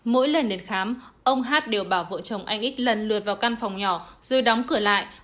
mỗi lần đến khám ông hát đều bảo vợ chồng anh ít lần lượt vào căn phòng nhỏ rồi đóng cửa lại